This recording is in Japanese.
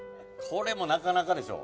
これもなかなかでしょ？